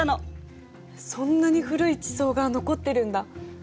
そんなに古い地層が残ってるんだ。